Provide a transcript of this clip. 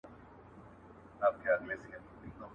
چي پيلان کوي، پيلخانې به جوړوي.